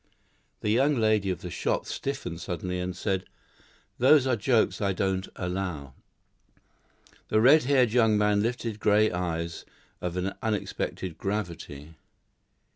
The young lady of the shop stiffened suddenly and said, "Those are jokes I don't allow." The red haired young man lifted grey eyes of an unexpected gravity.